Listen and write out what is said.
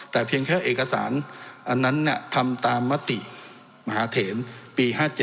แต่เพียงแค่เอกสารอันนั้นทำตามมติมหาเถนปี๕๗